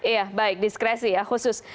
iya baik diskresi ya khusus